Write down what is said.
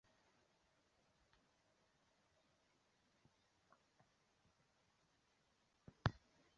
并且在瓷器后面写上明万历年间制或嘉靖年间制。